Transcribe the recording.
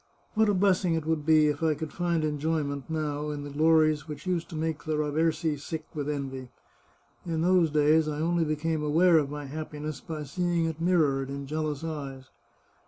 What a bless ing it would be if I could find enjoyment, now, in the glories which used to make the Raversi sick with envy ! In those days I only became aware of my happiness by seeing it mir rored in jealous eyes.